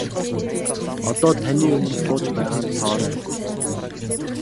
Одоо таны өмнө сууж байгаа нь Тоорой.